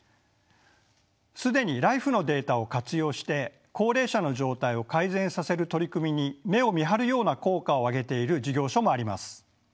既にＬＩＦＥのデータを活用して高齢者の状態を改善させる取り組みに目をみはるような効果を上げている事業所もあります。